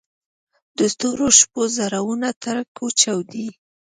د تورو شپو زړونه ترک وچاودي